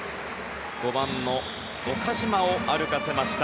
５番の岡島を歩かせました。